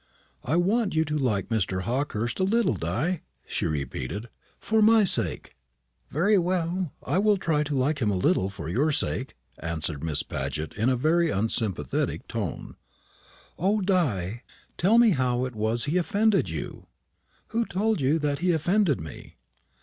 "I want you to like Mr. Hawkehurst a little, Di," she repeated, "for my sake." "Very well, I will try to like him a little for your sake," answered Miss Paget, in a very unsympathetic tone. "O, Di! tell me how it was he offended you." "Who told you that he offended me?"